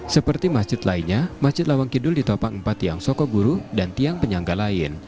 seperti masjid lainnya masjid lawang kidul ditopang empat tiang sokoguru dan tiang penyangga lain